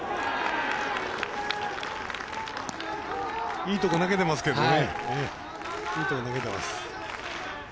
いいとこ投げてますけどね。